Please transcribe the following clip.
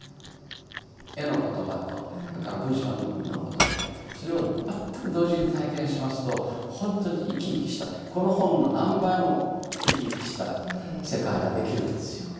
絵の言葉とそれから文章の言葉とそれを全く同時に体験しますと本当に生き生きしたこの本の何倍も生き生きした世界ができるんですよ。